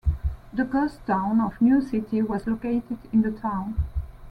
The ghost town of New City was located in the town.